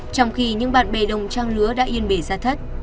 trong khi những bạn bè đồng trang lứa đã yên bề ra thất